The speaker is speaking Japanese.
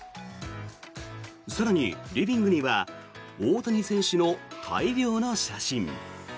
更に、リビングには大谷選手の大量の写真。